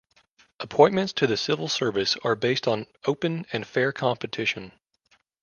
Appointments to the civil service are based on open and fair competition.